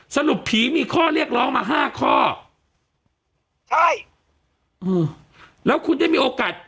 สรุปผีมีข้อเรียกร้องมาห้าข้อใช่อืมแล้วคุณได้มีโอกาส